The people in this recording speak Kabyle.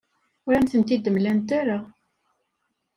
Ur am-ten-id-mlant ara.